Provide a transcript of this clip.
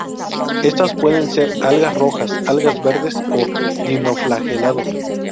Estas puede ser algas rojas, algas verdes o dinoflagelados.